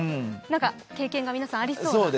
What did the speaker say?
経験が皆さんありそうな。